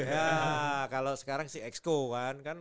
ya kalau sekarang sih exco kan